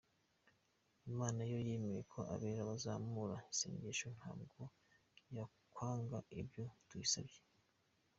Imana iyo yemeye ko abera bazamura isengesho ntabwo yakwanga ibyo tuyisabye.